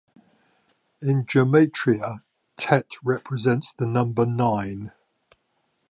In gematria, Tet represents the number nine.